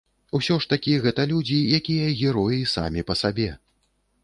Усё ж такі гэта людзі, якія героі самі па сабе.